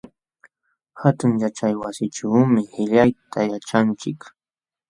Hatun yaćhaywasićhuumi qillqayta yaćhanchik.